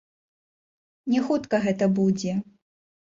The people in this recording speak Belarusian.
Не хутка гэта будзе.